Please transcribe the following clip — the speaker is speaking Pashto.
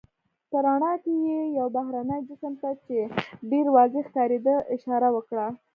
په رڼا کې یې یو بهرني جسم ته، چې ډېر واضح ښکارېده اشاره وکړه.